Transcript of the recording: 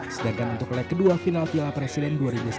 sedangkan untuk leg kedua final piala presiden dua ribu sembilan belas